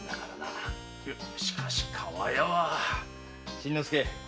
新之助